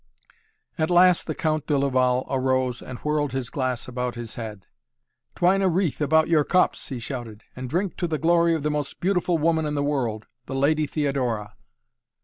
At last the Count de Laval arose and whirled his glass about his head. "Twine a wreath about your cups," he shouted, "and drink to the glory of the most beautiful woman in the world the Lady Theodora."